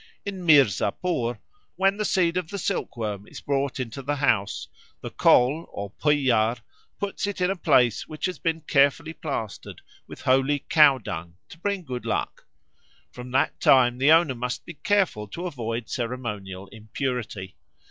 In Mirzapur, when the seed of the silkworm is brought into the house, the Kol or Bhuiyar puts it in a place which has been carefully plastered with holy cowdung to bring good luck. From that time the owner must be careful to avoid ceremonial impurity.